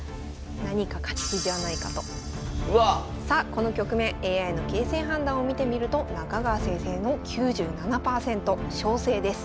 この局面ＡＩの形勢判断を見てみると中川先生の９７％勝勢です。